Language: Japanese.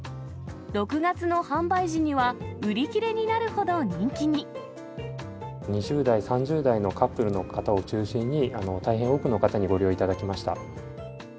６月の販売時には、売り切れにな２０代、３０代のカップルの方を中心に、大変多くの方にご利用いただきました。